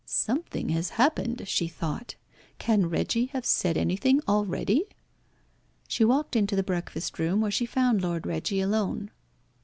"Something has happened," she thought. "Can Reggie have said anything already?" She walked into the breakfast room, where she found Lord Reggie alone.